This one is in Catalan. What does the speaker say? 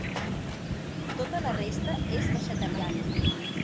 Tota la resta és vegetariana.